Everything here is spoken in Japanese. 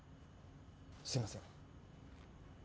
すいません。